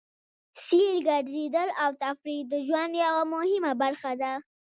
سیل، ګرځېدل او تفرېح د ژوند یوه مهمه برخه ده.